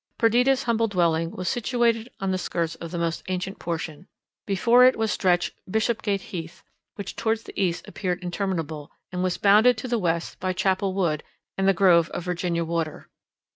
Perdita's humble dwelling was situated on the skirts of the most ancient portion; before it was stretched Bishopgate Heath, which towards the east appeared interminable, and was bounded to the west by Chapel Wood and the grove of Virginia Water.